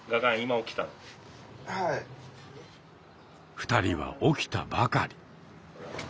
２人は起きたばかり。